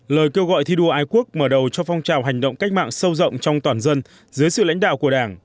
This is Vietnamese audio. lời kêu gọi thi đua ái quốc mở đầu cho phong trào hành động cách mạng sâu rộng trong toàn dân dưới sự lãnh đạo của đảng